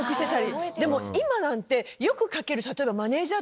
でも今なんてよくかける。